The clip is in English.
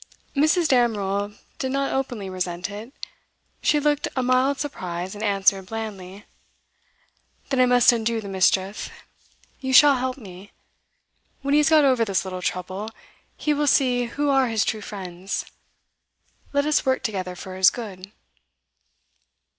Mrs. Damerel did not openly resent it. She looked a mild surprise, and answered blandly: 'Then I must undo the mischief. You shall help me. When he has got over this little trouble, he will see who are his true friends. Let us work together for his good.